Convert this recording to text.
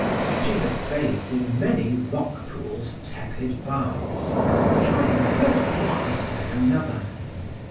She had bathed in many rock pools' tepid baths, trying first one, then another.